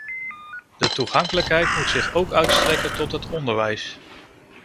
De toegankelijkheid moet zich ook uitstrekken tot het onderwijs.